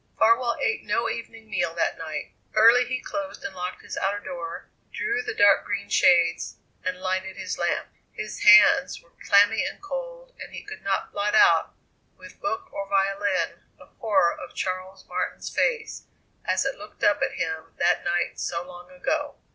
Farwell ate no evening meal that night. Early he closed and locked his outer door, drew the dark green shades, and lighted his lamp. His hands were clammy and cold, and he could not blot out with book or violin the horror of Charles Martin's face as it looked up at him that night so long ago.